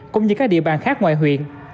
cũng như các địa bàn khác ngoài huyện